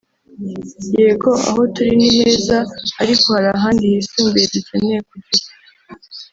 yego aho turi ni heza ariko hari ahandi hisumbuye dukeneye kugera